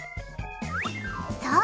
そう！